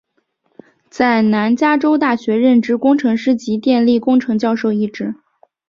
在南加州大学任职工程师及电力工程教授一职。